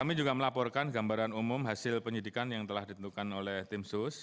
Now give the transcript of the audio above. kami juga melaporkan gambaran umum hasil penyidikan yang telah ditentukan oleh tim sus